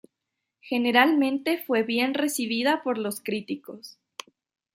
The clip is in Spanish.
Generalmente fue bien recibida por los críticos.